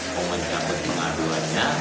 kalau menjabat pengaruhannya